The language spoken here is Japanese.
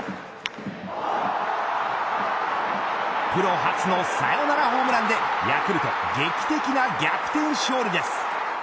プロ初のサヨナラホームランでヤクルト、劇的な逆転勝利です。